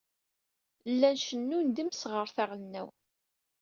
Llan cennun-d imseɣret aɣelnaw.